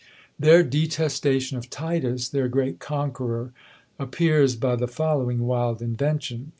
Their detestation of Titus, their great conqueror, appears by the following wild invention.